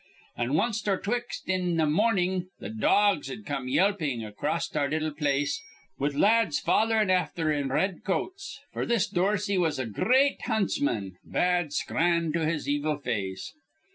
An' wanst or twict in th' month th' dogs'd come yelpin' acrost our little place, with lads follerin' afther in r red coats; f'r this Dorsey was a gr reat huntsman, bad scran to his evil face.